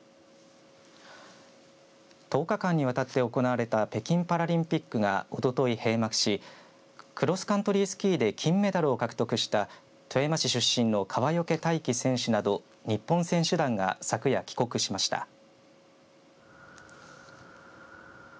１０日間にわたって行われた北京パラリンピックがおととい閉幕しクロスカントリースキーで金メダルを獲得した富山市出身の川除大輝選手など日本選手団が昨夜帰国しました。